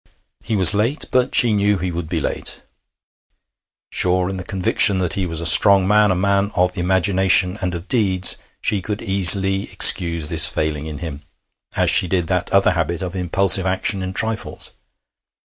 He was late, but she knew he would be late. Sure in the conviction that he was a strong man, a man of imagination and of deeds, she could easily excuse this failing in him, as she did that other habit of impulsive action in trifles.